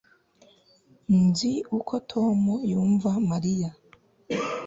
Nzi uko Tom yumva Mariya